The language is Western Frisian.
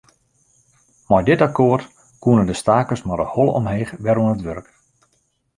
Mei dit akkoart koenen de stakers mei de holle omheech wer oan it wurk.